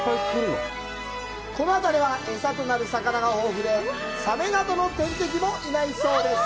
この辺りは、エサとなる魚が豊富でサメなどの天敵もいないそうです。